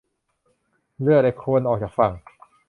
เรือเหล็กควรออกจากฝั่ง